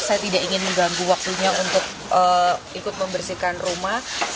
saya tidak ingin mengganggu waktunya untuk ikut membersihkan rumah